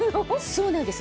そうなんです。